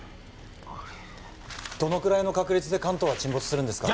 どのくらいの確率で関東は沈没するんですか？